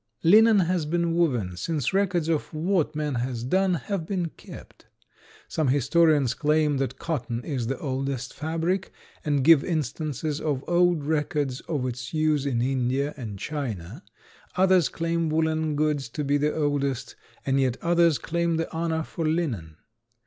Linen has been woven since records of what man has done have been kept. Some historians claim that cotton is the oldest fabric, and give instances of old records of its use in India and China. Others claim woolen goods to be the oldest, and yet others claim the honor for linen.